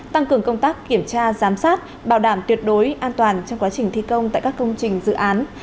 tăng cường công tác kiểm tra giám sát bảo đảm tuyệt đối an toàn trong quá trình thi công tại các công trình dự án